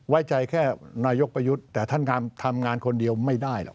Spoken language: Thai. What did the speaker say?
ไว้ใจแค่นายกประยุทธ์แต่ท่านทำงานคนเดียวไม่ได้หรอก